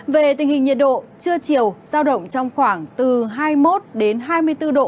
về tình hình nhiệt độ trưa chiều giao động trong khoảng từ hai mươi một hai mươi bốn độ